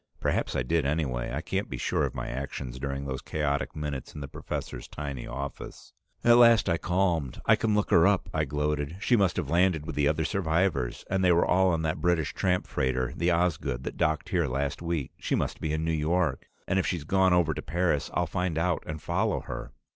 Perhaps I did anyway; I can't be sure of my actions during those chaotic minutes in the professor's tiny office. At last I calmed. "I can look her up!" I gloated. "She must have landed with the other survivors, and they were all on that British tramp freighter the Osgood, that docked here last week. She must be in New York and if she's gone over to Paris, I'll find out and follow her!"